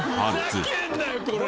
ふざけんなよこれ！